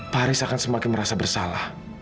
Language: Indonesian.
pak haris akan semakin merasa bersalah